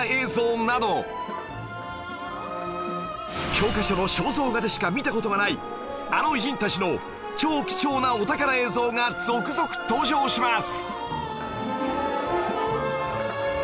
教科書の肖像画でしか見た事がないあの偉人たちの超貴重なお宝映像が続々登場します！